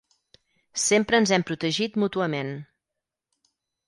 Sempre ens hem protegit mútuament.